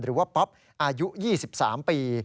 หรือว่าป๊อปอายุ๒๓ปี